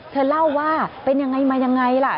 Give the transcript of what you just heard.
เธอเล่าว่าเป็นยังไงมายังไงล่ะ